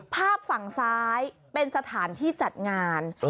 ภาพฝั่งซ้ายเป็นสถานที่จัดงาน